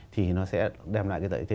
thì nó sẽ đem lại cái đợi thế